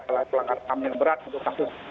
adalah pelanggaran ham yang berat untuk kasus